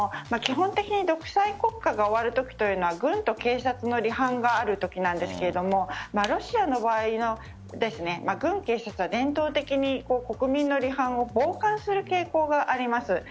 基本的に独裁国家が終わる時というのは軍と警察の離反があるときなんですがロシアの場合軍・警察が伝統的に国民の離反を傍観する傾向があります。